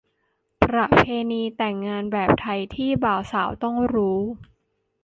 ประเพณีแต่งงานแบบไทยที่บ่าวสาวต้องรู้